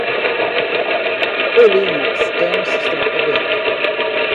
O Linux é um sistema operacional aberto.